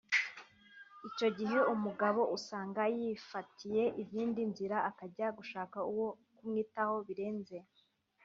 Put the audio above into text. icyo gihe umugabo usanga yifatiye izindi nzira akajya gushaka uwo kumwitaho birenze